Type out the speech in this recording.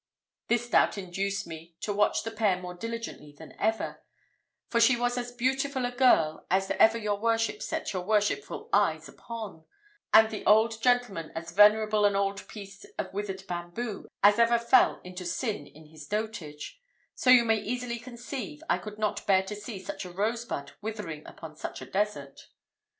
This doubt induced me to watch the pair more diligently than ever; for she was as beautiful a girl as ever your worship set your worshipful eyes upon, and the old gentleman as venerable an old piece of withered bamboo as ever fell into sin in his dotage; so you may easily conceive I could not bear to see such a rosebud withering upon such a desert.